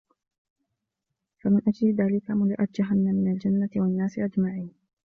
فَمِنْ أَجْلِ ذَلِكَ مُلِئَتْ جَهَنَّمُ مِنْ الْجِنَّةِ وَالنَّاسِ أَجْمَعِينَ